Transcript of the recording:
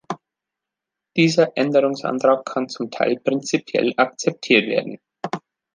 Dieser Änderungsantrag kann zum Teil prinzipiell akzeptiert werden.